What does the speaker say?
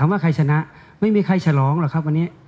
อยากคะต่อไปชนะไม่มีใครฉลองหรอครับวันนี้